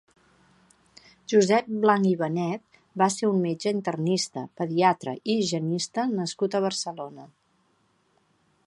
Josep Blanc i Benet va ser un metge internista, pediatre i higienista nascut a Barcelona.